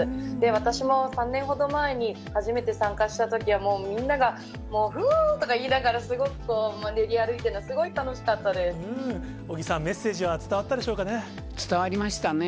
私も３年ほど前に初めて参加したときは、もうみんなが、ふー！とか言いながら、すごくこう、練り歩いてるの、すごい楽しかっ尾木さん、メッセージは伝わ伝わりましたね。